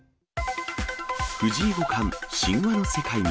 藤井五冠、神話の世界に。